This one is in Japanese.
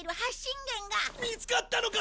見つかったのか！？